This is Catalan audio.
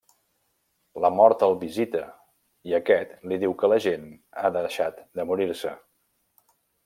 La Mort el visita, i aquest li diu que la gent ha deixat de morir-se.